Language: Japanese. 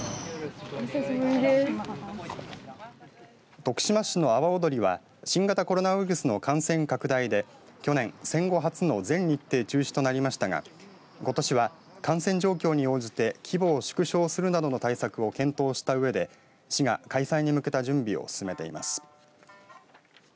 徳島市の阿波おどりは新型コロナウイルスの感染拡大で去年、戦後初の全日程中止となりましたがことしは感染状況に応じて規模を縮小するなどの対策を検討したうえで市が開催に向けた準備を進めています。